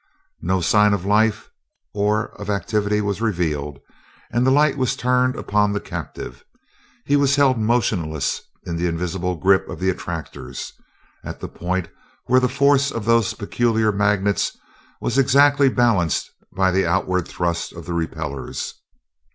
No sign of life or of activity was revealed, and the light was turned upon the captive. He was held motionless in the invisible grip of the attractors, at the point where the force of those peculiar magnets was exactly balanced by the outward thrust of the repellers.